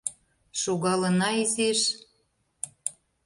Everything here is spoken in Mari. — Шогалына изиш?